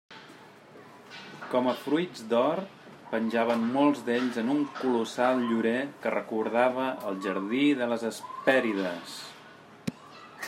Com a fruits d'or, penjaven molts d'ells en un colossal llorer, que recordava el Jardí de les Hespèrides.